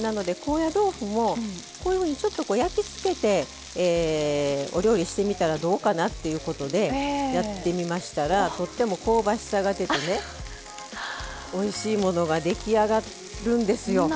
なので高野豆腐もこういうふうにちょっと焼き付けてお料理してみたらどうかなっていうことでやってみましたらとっても香ばしさが出てねおいしいものが出来上がるんですよ。